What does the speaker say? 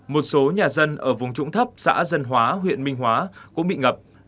một số nhà dân ở vùng trũng thấp xã dân hóa huyện minh hóa cũng bị ngập